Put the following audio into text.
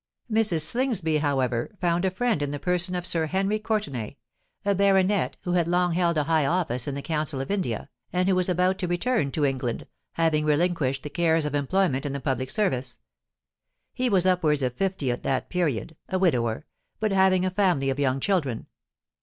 Mrs. Slingsby, however, found a friend in the person of Sir Henry Courtenay—a baronet who had long held a high office in the Council of India, and who was about to return to England, having relinquished the cares of employment in the public service. He was upwards of fifty at that period—a widower—but having a family of young children.